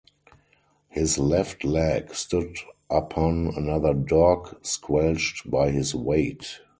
His left leg stood upon another dog squelched by his weight.